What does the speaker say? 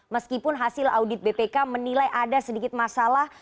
meskipun hasil audit bpk menilai ada sedikit masalah